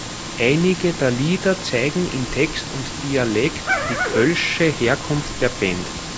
Einige der Lieder zeigen in Text und Dialekt die kölsche Herkunft der Band.